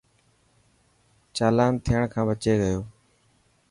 چالان ٿيڻ کان بچي گيو.